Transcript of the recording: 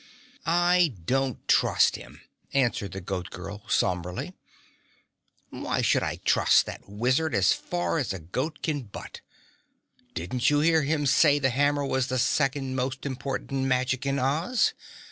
"I don't trust him," answered the Goat Girl somberly. "Why I wouldn't trust that Wizard as far as a goat can butt. Didn't you hear him say the hammer was the second most important magic in Oz?